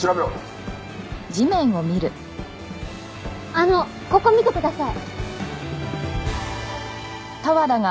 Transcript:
あのここ見てください。